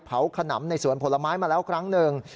ขนำในสวนผลไม้มาแล้วครั้งหนึ่ง